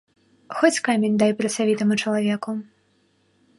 Хоць камень дай працавітаму чалавеку.